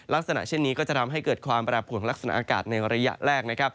ลักษณะเช่นนี้ก็จะทำให้เกิดความประหลาบผลลักษณะอากาศในระยะแรก